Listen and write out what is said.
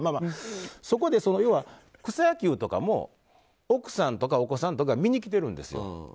そこで草野球とかも奥さんとかお子さんとか見に来てるんですよ。